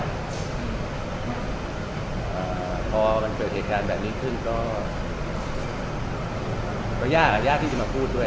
พอมันเกิดเหตุการณ์แบบนี้ขึ้นก็ยากยากที่จะมาพูดด้วย